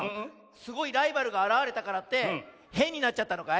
すごいライバルがあらわれたからってへんになっちゃったのかい？